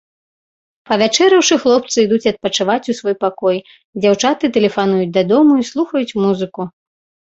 Павячэраўшы, хлопцы ідуць адпачываць у свой пакой, дзяўчаты тэлефануюць дадому і слухаюць музыку.